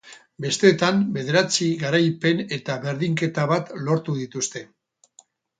Besteetan, bederatzi garaipen eta berdinketa bat lortu dituzte.